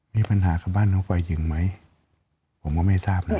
มีปัญหากับบ้านน้องฝ่ายหญิงไหมผมก็ไม่ทราบนะ